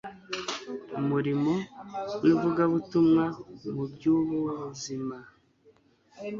umurimo wivugabutumwa mu byubuzima